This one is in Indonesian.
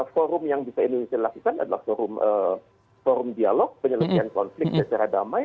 forum yang bisa indonesia lakukan adalah forum dialog penyelesaian konflik secara damai